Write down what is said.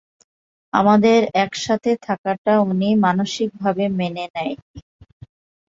আমাদের একসাথে থাকাটা উনি মানসিকভাবে মেনে নেয়নি।